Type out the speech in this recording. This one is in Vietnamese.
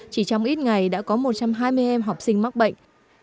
chỉ trong ít ngày đã có một trăm hai mươi em học sinh mắc bệnh